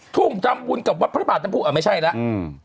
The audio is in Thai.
ทุ่มทำบุญกับวัดพระบาทน้ำผู้ไม่ใช่แล้ว